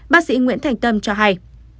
bác sĩ nguyễn thành tâm cho hay